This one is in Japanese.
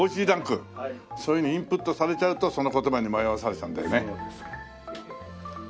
そういうふうにインプットされちゃうとその言葉に迷わされちゃうんだよね。